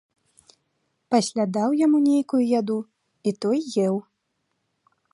Пасля даў яму нейкую яду, і той еў.